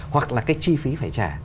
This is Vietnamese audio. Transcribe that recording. hoặc là cái chi phí phải trả